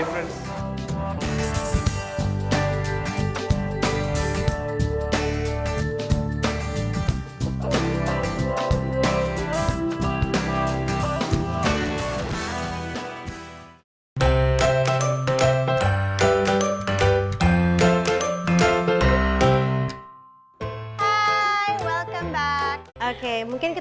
terdapatlah terdapatlah terdapatlah terdapatlah